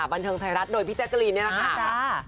บันทึงท้ายรัดโดยพี่แจกรีนะครับ